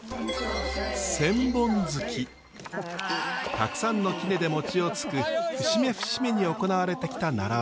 たくさんのきねで餅をつく節目節目に行われてきた習わしです。